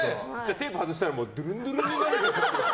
テープ外したらドゥルン、ドゥルンなの？